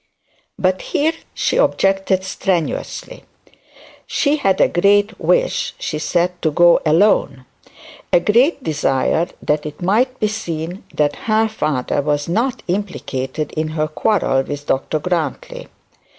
But here she objected strenuously. She had a great wish, she said, to go alone; a great desire that it might be seen that her father was not implicated in her quarrel with Dr Grantly.